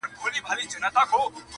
نه يې لاس و نه يې سترگه د زوى مړي-